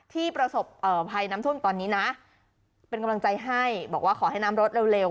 ประสบภัยน้ำท่วมตอนนี้นะเป็นกำลังใจให้บอกว่าขอให้น้ำลดเร็ว